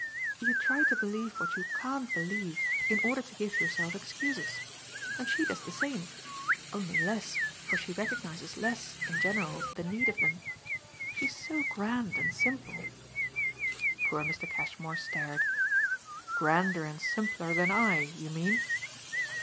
"You try to believe what you CAN'T believe, in order to give yourself excuses. And she does the same only less, for she recognises less in general the need of them. She's so grand and simple." Poor Mr. Cashmore stared. "Grander and simpler than I, you mean?"